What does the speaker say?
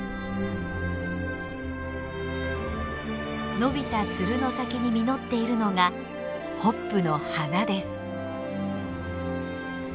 伸びたツルの先に実っているのがホップの花です。